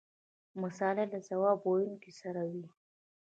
مساله له ځواب ویونکي سره وي.